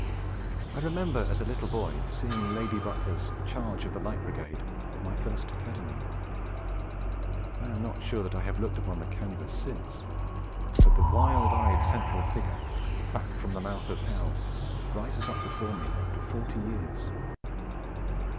I remember as a little boy seeing Lady Butler's 'Charge of the Light Brigade' at my first Academy. I am not sure that I have looked upon the canvas since, but the wild eyed central figure, 'back from the mouth of Hell,' rises up before me after forty years.